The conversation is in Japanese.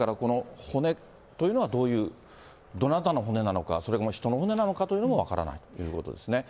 骨というのはどういう、どなたの骨なのか、それが人の骨なのかということも分からないということですね。